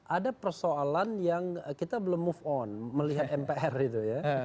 ada persoalan yang kita belum move on melihat mpr itu ya